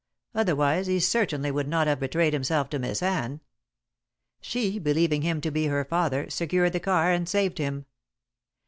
Otherwise he certainly would not have betrayed himself to Miss Anne. She, believing him to be her father, secured the car and saved him.